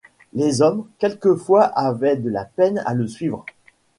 Les hommes, quelquefois, avaient de la peine à le suivre.